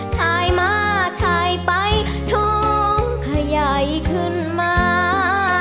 ถ่ายมาถ่ายไปท้องขยายขึ้นมา